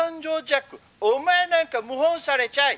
お前なんか謀反されちゃえ！